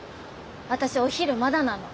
私お昼まだなの。